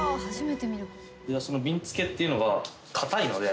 びんつけっていうのが硬いので。